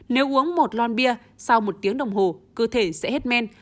nếu uống một lon bia sau một tiếng đồng hồ cơ thể sẽ hết men